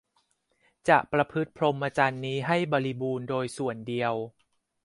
จะประพฤติพรหมจรรย์นี้ให้บริบูรณ์โดยส่วนเดียว